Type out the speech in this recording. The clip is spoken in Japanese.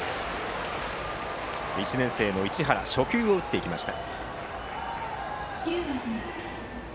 １年生の市原初球を打っていきました。